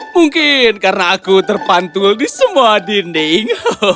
mungkin karena aku terpantul di semua dinding